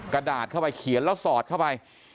กระดาษเข้าไปเขียนแล้วสอดเข้าไป